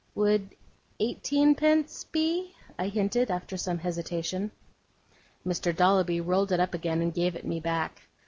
'Would eighteenpence be?' I hinted, after some hesitation. Mr. Dolloby rolled it up again, and gave it me back.